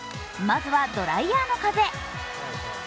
まずはドライヤーの風。